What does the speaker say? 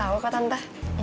tau kok tante